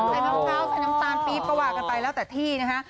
มะพร้าวใส่น้ำตาลปี๊บก็ว่ากันไปแล้วแต่ที่นะฮะ